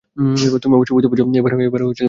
তুমি অবশ্যই বুঝতে পারছো এবার আর আমার রক্ত ঝড়বেনা।